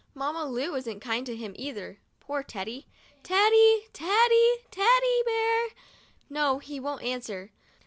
Mamma Lu isn't kind to him either — poor Teddy. Teddy! Teddy! Teddy Bear! No, he won't answer.